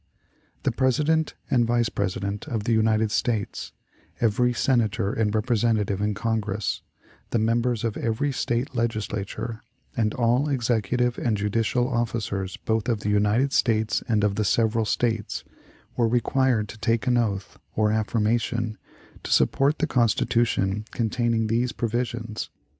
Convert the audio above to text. The President and Vice President of the United States, every Senator and Representative in Congress, the members of every State Legislature, and "all executive and judicial officers, both of the United States and of the several States," were required to take an oath (or affirmation) to support the Constitution containing these provisions.